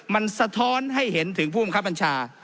มันสะท้อนให้เห็นถึงผู้บังคับบัญชา